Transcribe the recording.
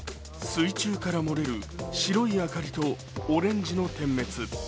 水中から漏れる白い明かりとオレンジの点滅。